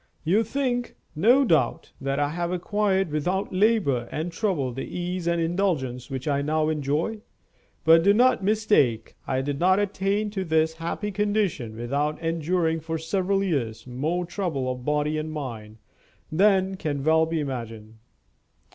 You think, no doubt, that I have acquired without labor and trouble the ease and indulgence which I now enjoy. But do not mistake; I did not attain to this happy condition without enduring for several years more trouble of body and mind than can well be imagined.